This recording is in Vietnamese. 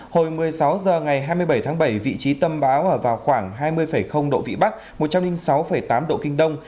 hồi một mươi sáu h ngày hai mươi bảy tháng bảy vị trí tâm bão ở vào khoảng hai mươi độ vĩ bắc một trăm linh sáu tám độ kinh đông